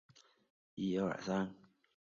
中麝鼩为鼩鼱科麝鼩属的动物。